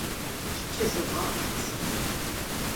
Ikkje så rart!